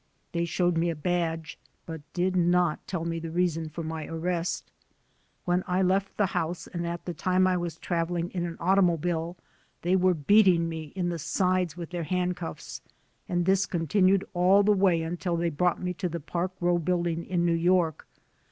They showed me a badge, but did not tell me the reason for my arrest. When I left the 77 78 THE DEPORTATION CASES house and at the time I was travelling in an automobile, ihty were beating me in the sides with their hand cuffs and this continued all the way until they brought me to the Park Row Building in New York.